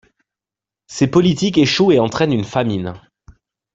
Ces politiques échouent et entraînent une famine.